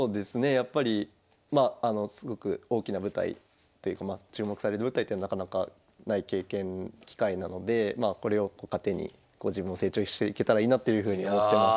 やっぱりまあすごく大きな舞台というか注目される舞台ってなかなかない経験機会なのでまあこれを糧に自分を成長していけたらいいなというふうに思ってます。